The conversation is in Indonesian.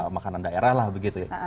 makanan daerah lah begitu ya